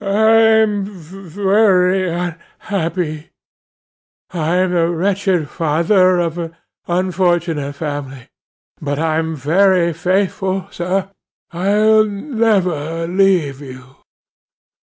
'I'm very unhappy. I'm the wretched father of an unfortunate family; but I am very faithful, sir. I'll never leave you.